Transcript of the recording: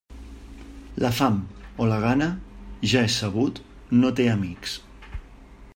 La fam, o la gana, ja és sabut, no té amics.